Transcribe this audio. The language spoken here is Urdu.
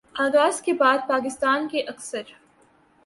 آغاز کے بعد پاکستان کے اکثر